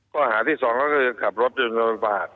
ข้อหาที่๒คือขับรถจนบันบาท